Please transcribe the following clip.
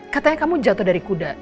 katanya kamu jatuh dari kuda